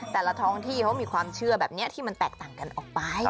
แต่ละท้องที่เขามีความเชื่อแบบนี้ที่มันแตกต่างกันออกไป